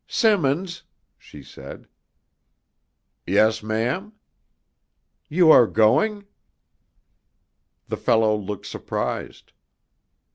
"Symonds!" she said. "Yes, ma'am?" "You are going?" The fellow looked surprised.